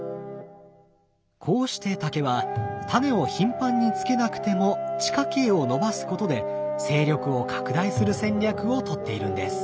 こうして竹はタネを頻繁につけなくても地下茎を伸ばすことで勢力を拡大する戦略を取っているんです。